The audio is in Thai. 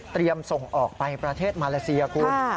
ส่งออกไปประเทศมาเลเซียคุณ